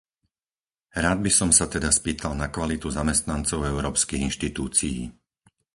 Rád by som sa teda spýtal na kvalitu zamestnancov európskych inštitúcií.